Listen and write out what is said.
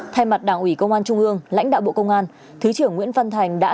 thay mặt đảng ủy công an trung ương lãnh đạo bộ công an thứ trưởng nguyễn văn thành đã